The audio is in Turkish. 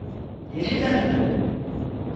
Geri döndün!